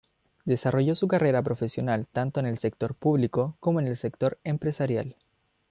Desarrolló su carrera profesional tanto en el Sector Público, como en el sector empresarial.